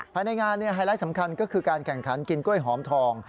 ภายในงานไฮไลท์สำคัญก็คือการแข่งขันกินกล้วยหอมทอง